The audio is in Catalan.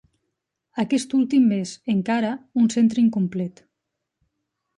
Aquest últim és, encara, un centre incomplet.